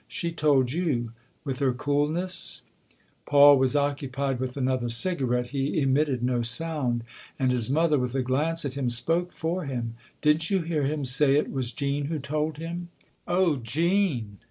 " She told you with her coolness ?" Paul was occupied with another cigarette ; he emitted no sound, and his mother, with a glance at him, spoke for him. " Didn't you hear him say it was Jean who told him ?"" Oh, Jean